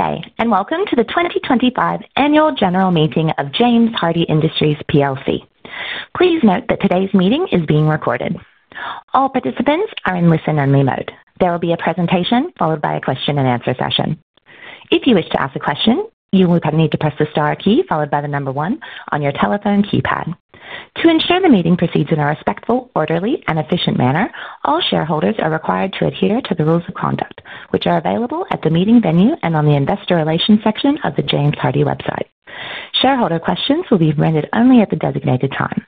Okay, and welcome to the 2025 annual general meeting of James Hardie Industries PLC. Please note that today's meeting is being recorded. All participants are in listen-only mode. There will be a presentation followed by a question and answer session. If you wish to ask a question, you will need to press the star key followed by the number one on your telephone keypad. To ensure the meeting proceeds in a respectful, orderly, and efficient manner, all shareholders are required to adhere to the rules of conduct, which are available at the meeting venue and on the investor relations section of the James Hardie website. Shareholder questions will be rendered only at the designated time.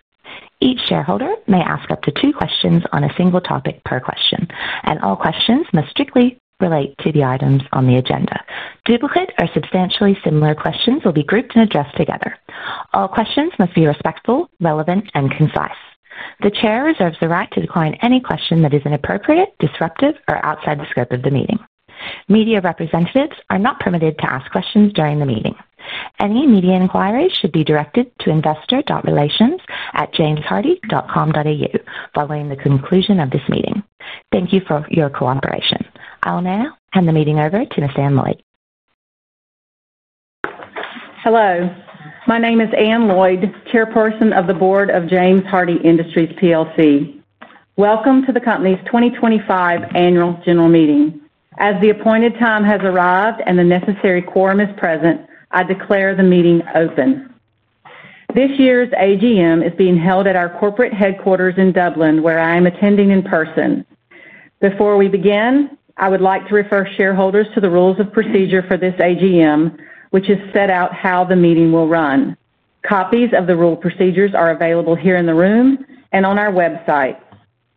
Each shareholder may ask up to two questions on a single topic per question, and all questions must strictly relate to the items on the agenda. Duplicate or substantially similar questions will be grouped and addressed together. All questions must be respectful, relevant, and concise. The Chair reserves the right to decline any question that is inappropriate, disruptive, or outside the scope of the meeting. Media representatives are not permitted to ask questions during the meeting. Any media inquiries should be directed to investor.relations@jameshardie.com.au following the conclusion of this meeting. Thank you for your cooperation. I'll now hand the meeting over to Ms. Anne Lloyd. Hello, my name is Anne Lloyd, Chairperson of the Board of James Hardie Industries PLC. Welcome to the company's 2025 annual general meeting. As the appointed time has arrived and the necessary quorum is present, I declare the meeting open. This year's AGM is being held at our corporate headquarters in Dublin, where I am attending in person. Before we begin, I would like to refer shareholders to the rules of procedure for this AGM, which set out how the meeting will run. Copies of the rules of procedure are available here in the room and on our website.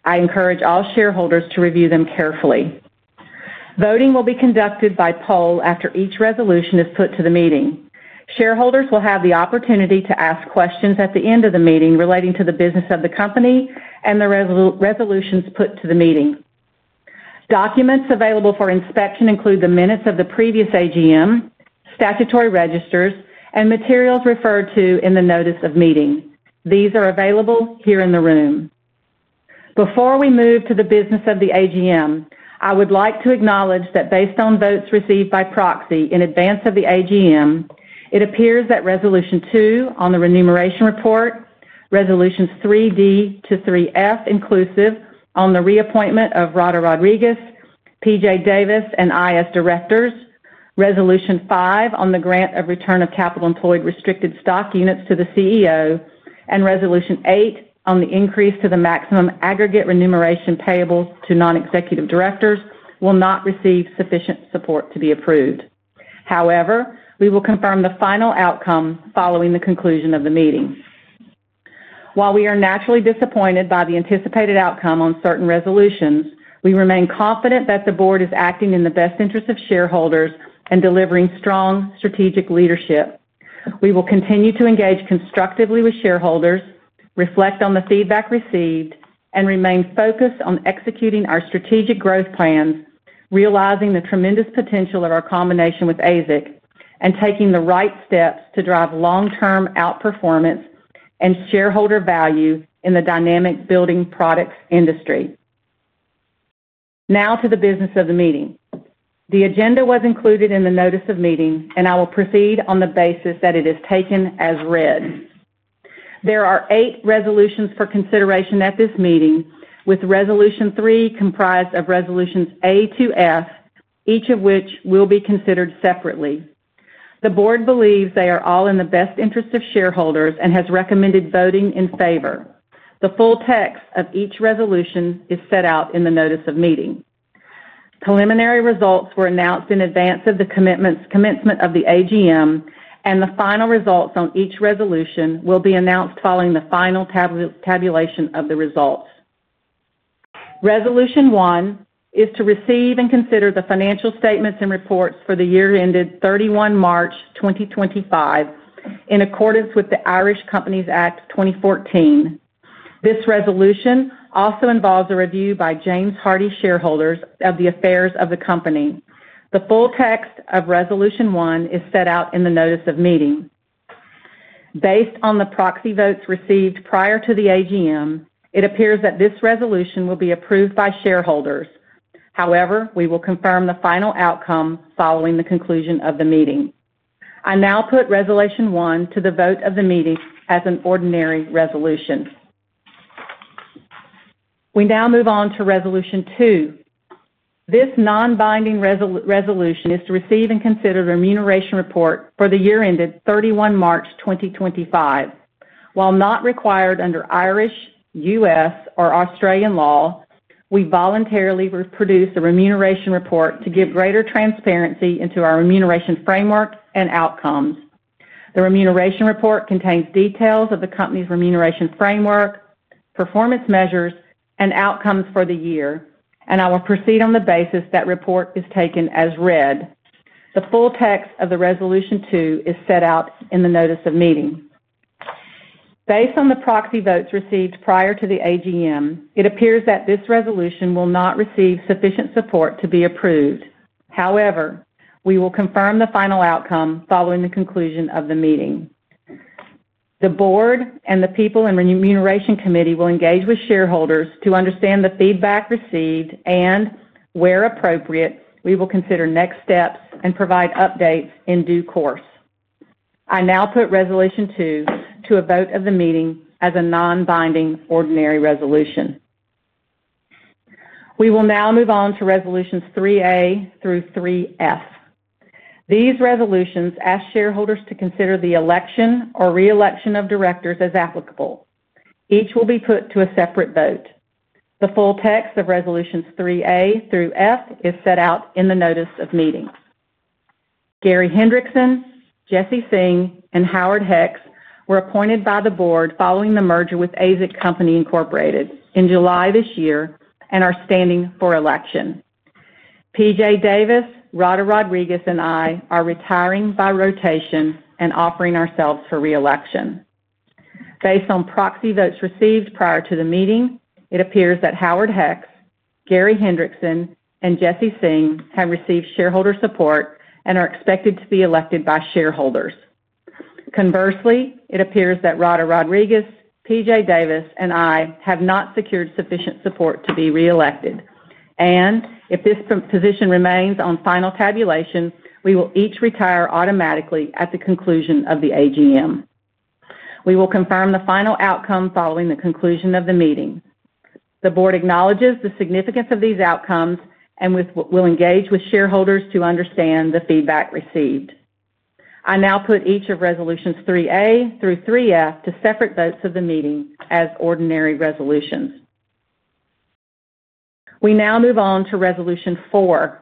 I encourage all shareholders to review them carefully. Voting will be conducted by poll after each resolution is put to the meeting. Shareholders will have the opportunity to ask questions at the end of the meeting relating to the business of the company and the resolutions put to the meeting. Documents available for inspection include the minutes of the previous AGM, statutory registers, and materials referred to in the notice of meeting. These are available here in the room. Before we move to the business of the AGM, I would like to acknowledge that based on votes received by proxy in advance of the AGM, it appears that Resolution 2 on the remuneration report, Resolutions 3D to 3F inclusive on the reappointment of Rada Rodriguez, PJ Davis, and IS directors, Resolution 5 on the grant of return on capital employed restricted stock units to the CEO, and Resolution 8 on the increase to the maximum aggregate remuneration payable to non-executive directors will not receive sufficient support to be approved. However, we will confirm the final outcome following the conclusion of the meeting. While we are naturally disappointed by the anticipated outcome on certain resolutions, we remain confident that the Board is acting in the best interests of shareholders and delivering strong strategic leadership. We will continue to engage constructively with shareholders, reflect on the feedback received, and remain focused on executing our strategic growth plans, realizing the tremendous potential of our combination with ASIC, and taking the right steps to drive long-term outperformance and shareholder value in the dynamic building products industry. Now to the business of the meeting. The agenda was included in the notice of meeting, and I will proceed on the basis that it is taken as read. There are eight resolutions for consideration at this meeting, with Resolution 3 comprised of Resolutions A to F, each of which will be considered separately. The board believes they are all in the best interests of shareholders and has recommended voting in favor. The full text of each resolution is set out in the notice of meeting. Preliminary results were announced in advance of the commencement of the AGM, and the final results on each resolution will be announced following the final tabulation of the results. Resolution 1 is to receive and consider the financial statements and reports for the year ended 31 March 2025 in accordance with the Irish Companies Act 2014. This resolution also involves a review by James Hardie shareholders of the affairs of the company. The full text of Resolution 1 is set out in the notice of meeting. Based on the proxy votes received prior to the AGM, it appears that this resolution will be approved by shareholders. However, we will confirm the final outcome following the conclusion of the meeting. I now put Resolution 1 to the vote of the meeting as an ordinary resolution. We now move on to Resolution 2. This non-binding resolution is to receive and consider the remuneration report for the year ended 31 March 2025. While not required under Irish, U.S., or Australian law, we voluntarily produce a remuneration report to give greater transparency into our remuneration framework and outcomes. The remuneration report contains details of the company's remuneration framework, performance measures, and outcomes for the year, and I will proceed on the basis that report is taken as read. The full text of Resolution 2 is set out in the notice of meeting. Based on the proxy votes received prior to the AGM, it appears that this resolution will not receive sufficient support to be approved. However, we will confirm the final outcome following the conclusion of the meeting. The board and the people in the remuneration committee will engage with shareholders to understand the feedback received and, where appropriate, we will consider next steps and provide updates in due course. I now put Resolution 2 to a vote of the meeting as a non-binding ordinary resolution. We will now move on to Resolutions 3A through 3F. These resolutions ask shareholders to consider the election or reelection of directors as applicable. Each will be put to a separate vote. The full text of Resolutions 3A through F is set out in the notice of meeting. Gary Hendrickson, Jesse Singh, and Howard Hicks were appointed by the board following the merger with ASIC Company Incorporated in July this year and are standing for election. PJ Davis, Rada Rodriguez, and I are retiring by rotation and offering ourselves for reelection. Based on proxy votes received prior to the meeting, it appears that Howard Hicks, Gary Hendrickson, and Jesse Singh have received shareholder support and are expected to be elected by shareholders. Conversely, it appears that Rada Rodriguez, PJ Davis, and I have not secured sufficient support to be reelected. If this position remains on final tabulation, we will each retire automatically at the conclusion of the AGM. We will confirm the final outcome following the conclusion of the meeting. The board acknowledges the significance of these outcomes and will engage with shareholders to understand the feedback received. I now put each of Resolutions 3A through 3F to separate votes of the meeting as ordinary resolutions. We now move on to Resolution 4.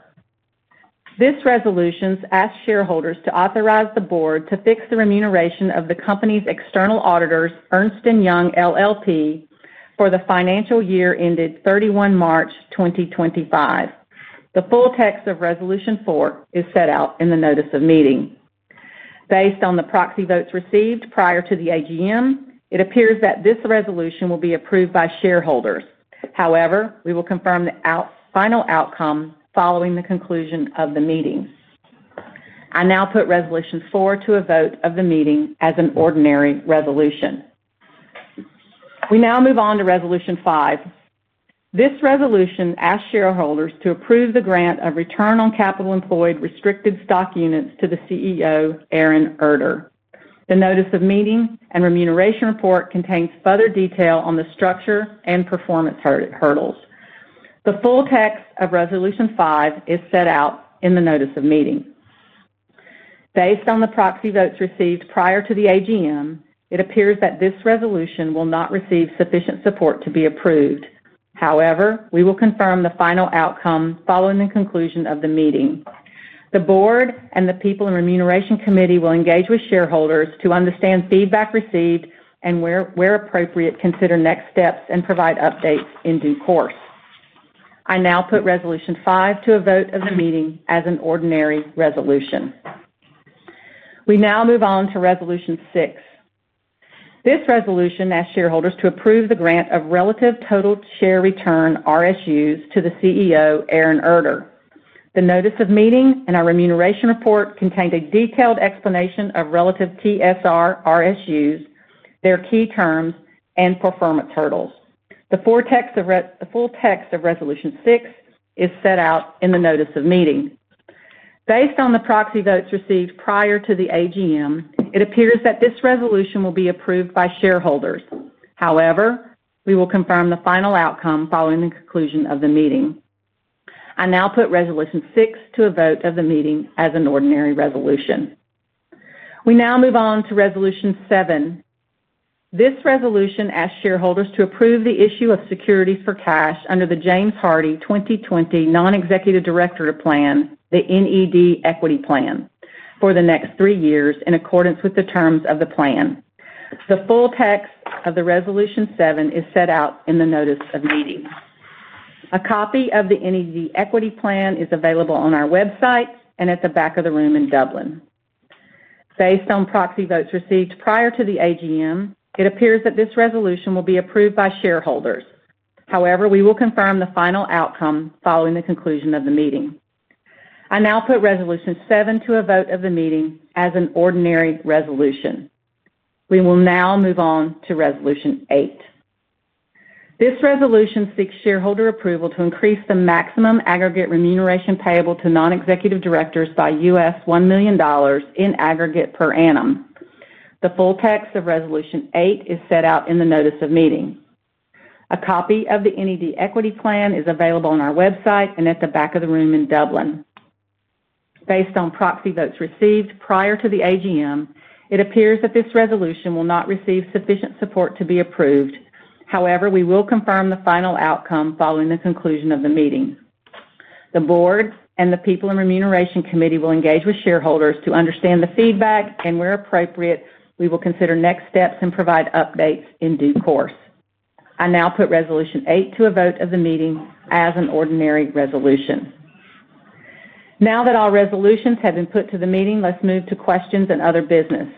This resolution asks shareholders to authorize the board to fix the remuneration of the company's external auditors, Ernst & Young LLP, for the financial year ended 31 March 2025. The full text of Resolution 4 is set out in the notice of meeting. Based on the proxy votes received prior to the AGM, it appears that this resolution will be approved by shareholders. However, we will confirm the final outcome following the conclusion of the meeting. I now put Resolution 4 to a vote of the meeting as an ordinary resolution. We now move on to Resolution 5. This resolution asks shareholders to approve the grant of return on capital employed restricted stock units to the CEO, Aaron Erter. The notice of meeting and remuneration report contains further detail on the structure and performance hurdles. The full text of Resolution 5 is set out in the notice of meeting. Based on the proxy votes received prior to the AGM, it appears that this resolution will not receive sufficient support to be approved. However, we will confirm the final outcome following the conclusion of the meeting. The board and the people in the remuneration committee will engage with shareholders to understand feedback received and, where appropriate, consider next steps and provide updates in due course. I now put Resolution 5 to a vote of the meeting as an ordinary resolution. We now move on to Resolution 6. This resolution asks shareholders to approve the grant of relative total shareholder return RSUs to the CEO, Aaron Erter. The notice of meeting and our remuneration report contained a detailed explanation of relative TSR RSUs, their key terms, and performance hurdles. The full text of Resolution 6 is set out in the notice of meeting. Based on the proxy votes received prior to the AGM, it appears that this resolution will be approved by shareholders. However, we will confirm the final outcome following the conclusion of the meeting. I now put Resolution 6 to a vote of the meeting as an ordinary resolution. We now move on to Resolution 7. This resolution asks shareholders to approve the issue of securities for cash under the James Hardie 2020 Non-Executive Director Plan, the NED Equity Plan, for the next three years in accordance with the terms of the plan. The full text of Resolution 7 is set out in the notice of meeting. A copy of the NED Equity Plan is available on our website and at the back of the room in Dublin. Based on proxy votes received prior to the AGM, it appears that this resolution will be approved by shareholders. However, we will confirm the final outcome following the conclusion of the meeting. I now put Resolution 7 to a vote of the meeting as an ordinary resolution. We will now move on to Resolution 8. This resolution seeks shareholder approval to increase the maximum aggregate remuneration payable to non-executive directors by $1 million in aggregate per annum. The full text of Resolution 8 is set out in the notice of meeting. A copy of the NED Equity Plan is available on our website and at the back of the room in Dublin. Based on proxy votes received prior to the AGM, it appears that this resolution will not receive sufficient support to be approved. However, we will confirm the final outcome following the conclusion of the meeting. The board and the people in the remuneration committee will engage with shareholders to understand the feedback and, where appropriate, we will consider next steps and provide updates in due course. I now put Resolution 8 to a vote of the meeting as an ordinary resolution. Now that all resolutions have been put to the meeting, let's move to questions and other business.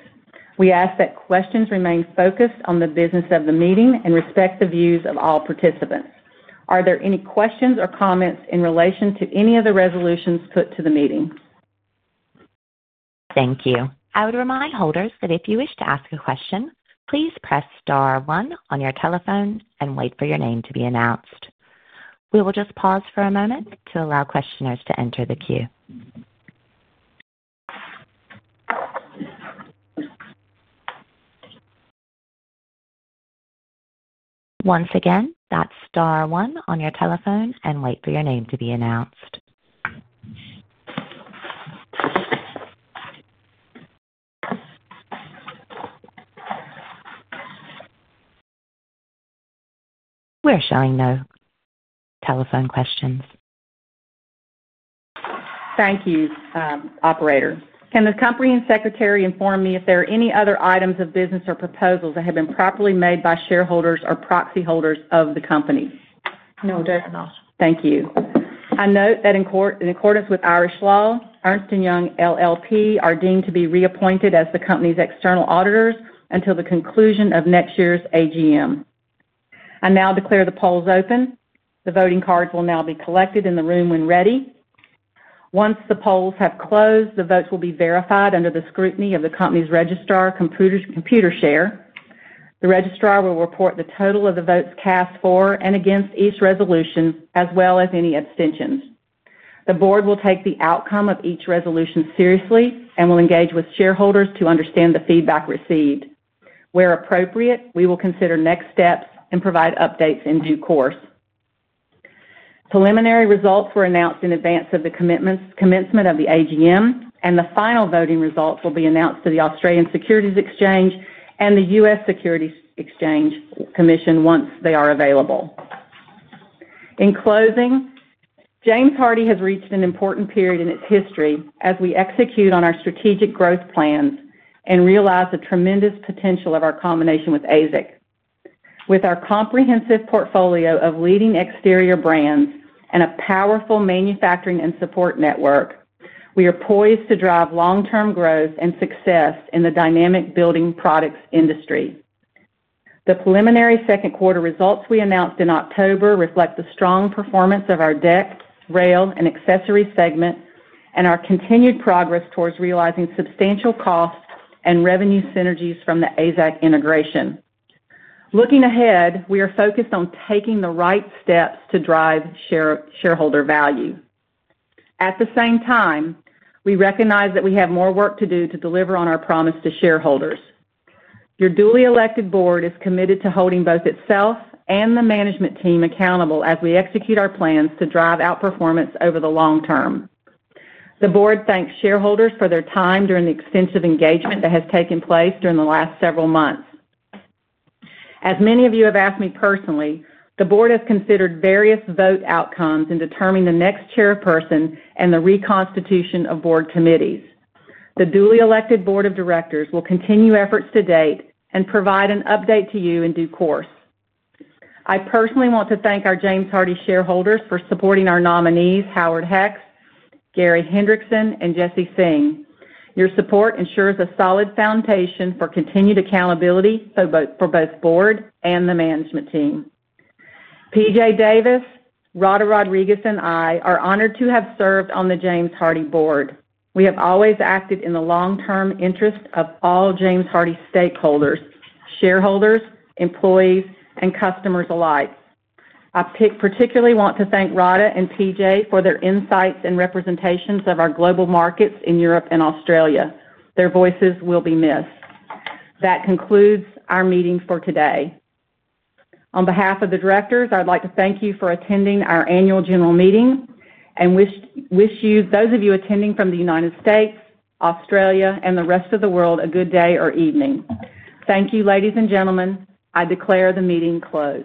We ask that questions remain focused on the business of the meeting and respect the views of all participants. Are there any questions or comments in relation to any of the resolutions put to the meeting? Thank you. I would remind holders that if you wish to ask a question, please press star one on your telephone and wait for your name to be announced. We will just pause for a moment to allow questioners to enter the queue. Once again, that's star one on your telephone and wait for your name to be announced. We're showing no telephone questions. Thank you, operator. Can the Company Secretary inform me if there are any other items of business or proposals that have been properly made by shareholders or proxy holders of the company? No, there are not. Thank you. I note that in accordance with Irish law, Ernst & Young LLP are deemed to be reappointed as the company's external auditors until the conclusion of next year's AGM. I now declare the polls open. The voting cards will now be collected in the room when ready. Once the polls have closed, the votes will be verified under the scrutiny of the company's registrar, Computershare. The registrar will report the total of the votes cast for and against each resolution, as well as any abstentions. The board will take the outcome of each resolution seriously and will engage with shareholders to understand the feedback received. Where appropriate, we will consider next steps and provide updates in due course. Preliminary results were announced in advance of the commencement of the AGM, and the final voting results will be announced to the Australian Securities Exchange and the U.S. Securities and Exchange Commission once they are available. In closing, James Hardie has reached an important period in its history as we execute on our strategic growth plans and realize the tremendous potential of our combination with ASIC. With our comprehensive portfolio of leading exterior brands and a powerful manufacturing and support network, we are poised to drive long-term growth and success in the dynamic building products industry. The preliminary second quarter results we announced in October reflect the strong performance of our deck, rail, and accessory segment, and our continued progress towards realizing substantial cost and revenue synergies from the ASIC integration. Looking ahead, we are focused on taking the right steps to drive shareholder value. At the same time, we recognize that we have more work to do to deliver on our promise to shareholders. Your duly elected board is committed to holding both itself and the management team accountable as we execute our plans to drive outperformance over the long term. The board thanks shareholders for their time during the extensive engagement that has taken place during the last several months. As many of you have asked me personally, the board has considered various vote outcomes in determining the next Chairperson and the reconstitution of board committees. The duly elected board of directors will continue efforts to date and provide an update to you in due course. I personally want to thank our James Hardie shareholders for supporting our nominees, Howard Hicks, Gary Hendrickson, and Jesse Singh. Your support ensures a solid foundation for continued accountability for both the board and the management team. PJ Davis, Rada Rodriguez, and I are honored to have served on the James Hardie board. We have always acted in the long-term interest of all James Hardie stakeholders, shareholders, employees, and customers alike. I particularly want to thank Rada and PJ for their insights and representations of our global markets in Europe and Australia. Their voices will be missed. That concludes our meeting for today. On behalf of the directors, I'd like to thank you for attending our annual general meeting and wish you, those of you attending from the United States, Australia, and the rest of the world, a good day or evening. Thank you, ladies and gentlemen. I declare the meeting closed.